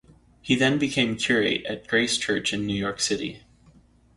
He then became curate at Grace Church in New York City.